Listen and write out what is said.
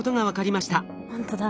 ほんとだ。